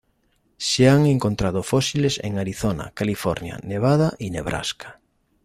Se han encontrado fósiles en Arizona, California, Nevada y Nebraska.